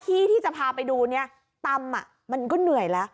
ที่ที่จะพาไปดูเนี่ยตำมันก็เหนื่อยแล้ว